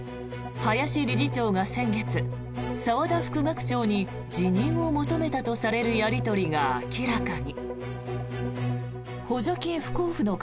林理事長が先月澤田副学長に辞任を求めたとされるやり取りが明らかに。